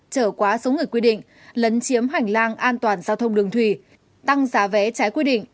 trở quá số người quy định lấn chiếm hành lang an toàn giao thông đường thủy tăng giá vé trái quy định